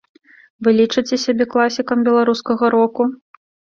Вы лічыце сябе класікам беларускага року?